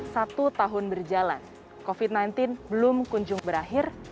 satu tahun berjalan covid sembilan belas belum kunjung berakhir